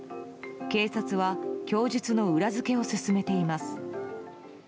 警察は供述の裏付けを進めています。